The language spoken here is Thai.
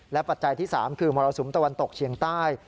ปัจจัยที่๓คือมรสุมตะวันตกเชียงใต้